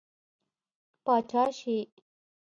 پاچا شي.